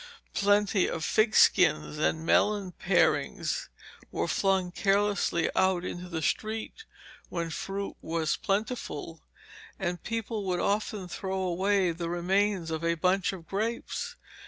Plenty of fig skins and melon parings were flung carelessly out into the street when fruit was plentiful, and people would often throw away the remains of a bunch of grapes.